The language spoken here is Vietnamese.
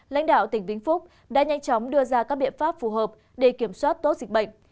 lãnh đạo tỉnh vĩnh phúc đã nhanh chóng đưa ra các biện pháp phù hợp để kiểm soát tốt dịch bệnh